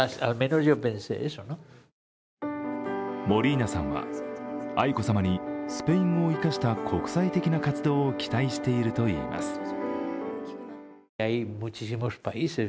モリーナさんは愛子さまにスペイン語を生かした国際的な活動を期待しているといいます。